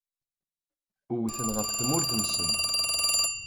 Wten ɣef tmurt-nsen.